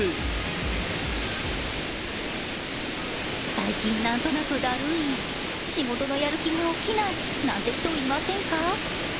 最近、何となくだるい、仕事のやる気が起きないなんて人、いませんか？